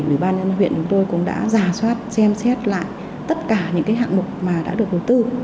ủy ban nhân huyện của tôi cũng đã giả soát xem xét lại tất cả những cái hạng mục mà đã được đầu tư